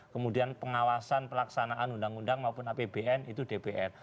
kemudian pengawasan pelaksanaan undang undang maupun apbn itu dpr